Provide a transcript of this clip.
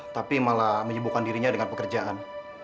tapi malah menyibukkan dirinya dengan pekerjaan